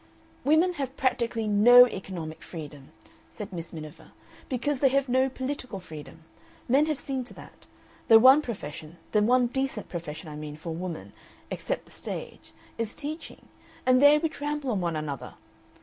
"Women have practically NO economic freedom," said Miss Miniver, "because they have no political freedom. Men have seen to that. The one profession, the one decent profession, I mean, for a woman except the stage is teaching, and there we trample on one another.